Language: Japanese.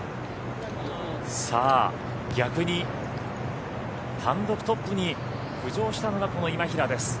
さあ逆に単独トップに浮上したのがこの今平です。